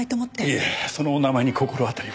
いやそのお名前に心当たりは。